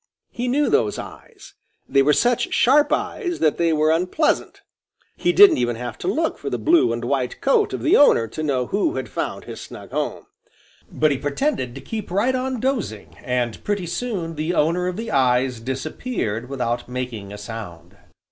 He knew those eyes. They were such sharp eyes that they were unpleasant. He didn't even have to look for the blue and white coat of the owner to know who had found his snug home. But he pretended to keep right on dozing, and pretty soon the owner of the eyes disappeared without making a sound.